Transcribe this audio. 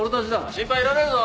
心配いらねえぞ。